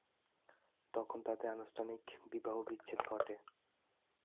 তখন তাদের আনুষ্ঠানিক বিবাহ বিচ্ছেদ ঘটে।